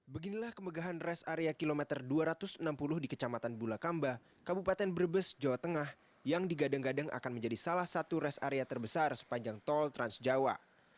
beginilah kemegahan res area kilometer dua ratus enam puluh di kecamatan bulakamba kabupaten brebes jawa tengah yang digadang gadang akan menjadi salah satu rest area terbesar sepanjang tol transjawa